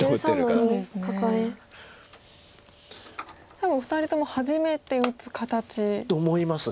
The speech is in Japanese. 多分お二人とも初めて打つ形。と思います。